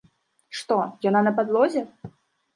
Што, яна на падлозе?